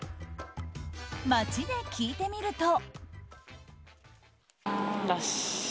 街で聞いてみると。